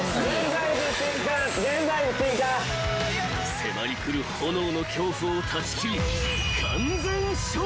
［迫り来る炎の恐怖を断ち切り］